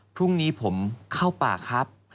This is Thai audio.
พรุ่งนี้ผมเข้าป่าครับ